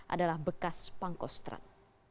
adalah bekas pangkostrat